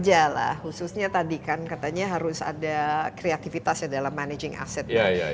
iya lah khususnya tadi kan katanya harus ada kreativitas ya dalam managing asset